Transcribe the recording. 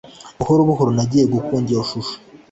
Buhoro buhoro ntangiye gukunda iyo shusho